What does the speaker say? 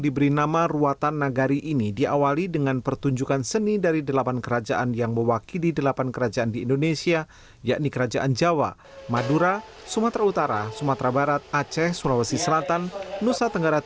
berita terkini dari kepala kepala kepala kepala kepala